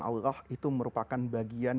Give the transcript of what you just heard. allah itu merupakan bagian